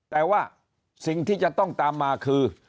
แต่ว่าสิ่งที่จะต้องตามมาคือ